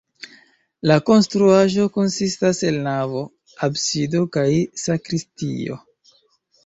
La konstruaĵo konsistas el navo, absido kaj sakristio.